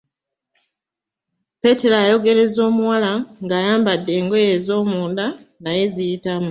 Peetero ayogereza omuwala ng’ayambadde engoye ez’omunda naye ziyitamu.